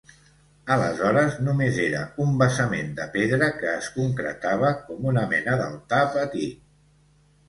Aleshores només era un basament de pedra que es concretava com una mena d'altar petit.